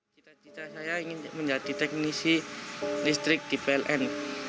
cita cita saya ingin menjadi teknisi listrik di pln